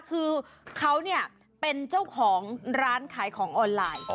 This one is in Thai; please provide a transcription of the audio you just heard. คือเขาเนี่ยเป็นเจ้าของร้านขายของออนไลน์